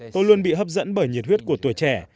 tôi luôn bị hấp dẫn bởi nhiệt huyết của tuổi trẻ